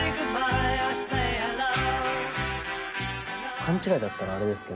勘違いだったらあれですけど。